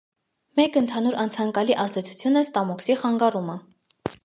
Մեկ ընդհանուր անցանկալի ազդեցություն է ստամոքսի խանգարումը։